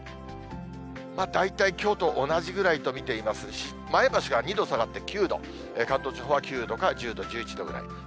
大体きょうと同じぐらいと見ていますし、前橋が２度下がって９度、関東地方は９度か１０度、１１度ぐらい。